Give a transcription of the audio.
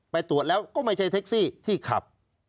ไปตรวจแล้วก็ไม่ใช่แท็กซี่ที่ขับ